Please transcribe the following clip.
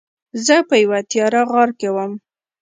زه په یوه تیاره غار کې وم.